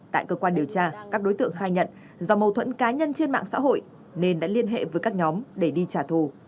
tại cơ quan điều tra các đối tượng khai nhận do mâu thuẫn cá nhân trên mạng xã hội nên đã liên hệ với các nhóm để đi trả thù